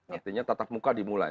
artinya tatap muka dimulai